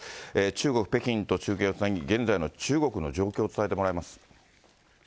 中国・北京と中継をつなぎ、現在の中国の状況を伝えてもらいます。